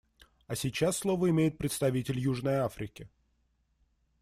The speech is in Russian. А сейчас слово имеет представитель Южной Африки.